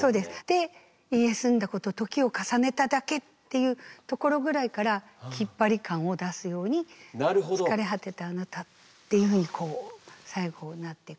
で「いいえすんだこと時を重ねただけ」っていうところぐらいからきっぱり感を出すように「疲れ果てたあなた」っていうふうに最後なっていく。